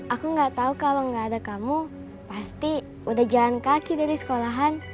aku tidak tahu kalau tidak ada kamu pasti sudah jalan kaki dari sekolahan